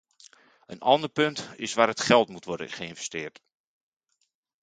Een ander punt is waar het geld moet worden geïnvesteerd.